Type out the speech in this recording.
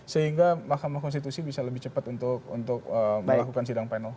sehingga mahkamah konstitusi bisa lebih cepat untuk melakukan sidang panel